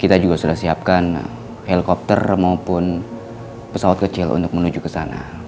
kita juga sudah siapkan helikopter maupun pesawat kecil untuk menuju ke sana